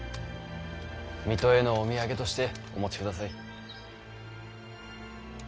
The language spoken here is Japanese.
水戸へのお土産としてお持ちください。